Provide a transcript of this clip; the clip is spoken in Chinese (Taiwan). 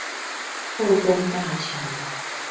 後豐大橋